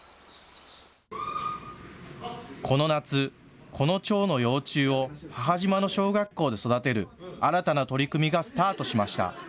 この夏、このチョウの幼虫を母島の小学校で育てる新たな取り組みがスタートしました。